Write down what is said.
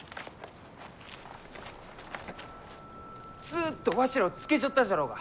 ずっとわしらをつけちょったじゃろうが！